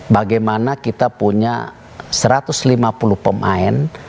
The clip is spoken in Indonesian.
bagaimana kita punya satu ratus lima puluh pemain